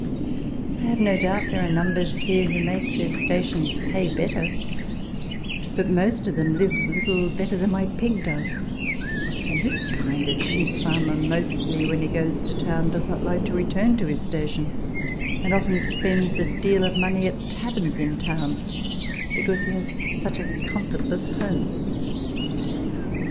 I have no doubt there are numbers here who make their stations pay bettor, but most of them live little better than my pig does, and this kind of sheep farmer mostly, when he goes to town, does not like to return to his station, and often spends a deal of money at taverns in town, because he has such a comfortless home.